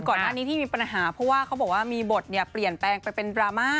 ก่อนหน้านี้ที่มีปัญหาเพราะว่าเขาบอกว่ามีบทเปลี่ยนแปลงไปเป็นดราม่า